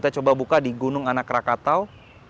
kita coba buka di gunung anak rakatau